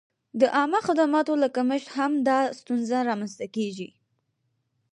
د عامه خدماتو له کمښته هم دا ستونزه را منځته کېږي.